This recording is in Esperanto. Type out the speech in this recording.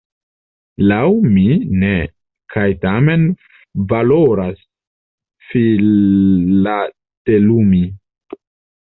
Laŭ mi ne, kaj tamen valoras filatelumi.